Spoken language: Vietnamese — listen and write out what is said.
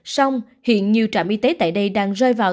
song hiện nhiều trạm y tế tại đây đang rơi vào tình trạng